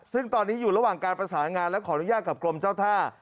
ซึ่งตอนนี้อยู่ระหว่างการประสานงานและขออนุญาตกับกรมเจ้าท่า